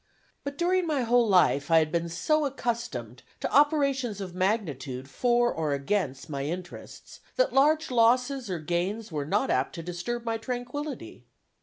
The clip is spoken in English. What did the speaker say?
But during my whole life I had been so much accustomed to operations of magnitude for or against my interests, that large losses or gains were not apt to disturb my tranquillity.